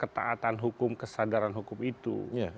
ketidakadilan kemahatan hukum kesadaran hukum itu